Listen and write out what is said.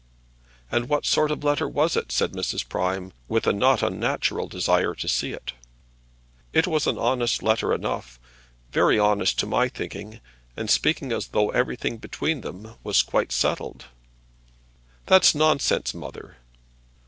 "And what sort of a letter was it?" said Mrs. Prime, with a not unnatural desire to see it. "It was an honest letter enough, very honest to my thinking; and speaking as though everything between them was quite settled." "That's nonsense, mother."